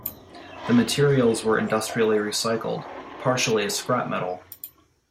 The materials were industrially recycled, partially as scrap metal.